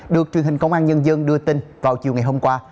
được truyền hình công an nhân dân đưa tin vào chiều ngày hôm qua